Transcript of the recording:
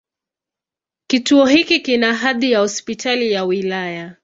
Kituo hiki kina hadhi ya Hospitali ya wilaya.